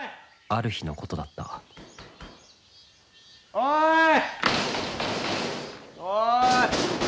ある日のことだったおい！